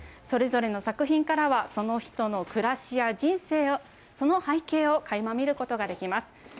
それぞれの作品からは、その人の暮らしや人生、その背景をかいま見ることできます。